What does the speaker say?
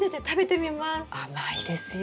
甘いですよ。